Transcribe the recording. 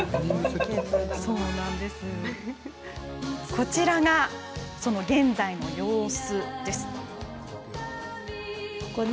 こちらが現在の様子です。